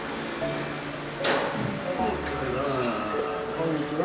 こんにちは。